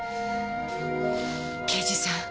刑事さん